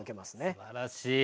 すばらしい。